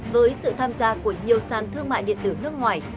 với sự tham gia của nhiều người